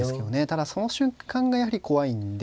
ただその瞬間がやはり怖いんで。